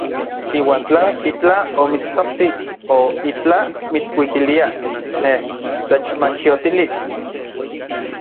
Iuan tla itlaj omitstoktij o itlaj mitsuikilia, nej techmachiotili.